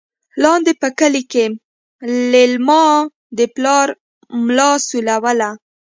لاندې په کلي کې لېلما د پلار ملا سولوله.